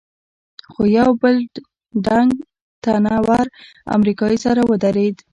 خو یو بل ډنګ، تنه ور امریکایي سر ته ودرېد.